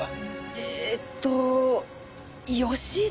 えーっと吉田？